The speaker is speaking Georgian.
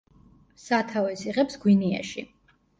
სათავეს იღებს გვინეაში.